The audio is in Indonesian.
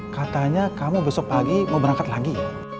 katanya kamu besok pagi mau berangkat lagi